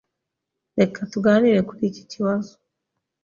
Reka tuganire kuri iki kibazo.